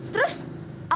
terus aku mesti ngapain dong